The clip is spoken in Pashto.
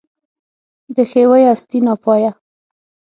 د ښېوې هستي ناپایه